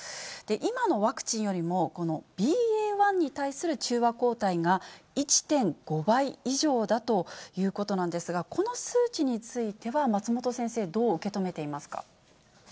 今のワクチンよりもこのＢＡ．１に対する中和抗体が１．５倍以上だということなんですが、この数値については、松本先生、どう受け止めていますか。